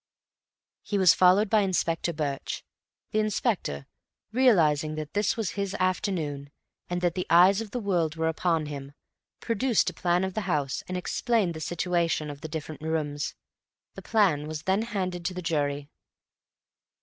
He was followed by Inspector Birch. The Inspector, realizing that this was his afternoon, and that the eyes of the world were upon him, produced a plan of the house and explained the situation of the different rooms. The plan was then handed to the jury.